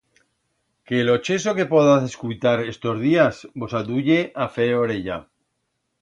Que lo cheso que podaz escuitar estos días vos aduye a fer orella.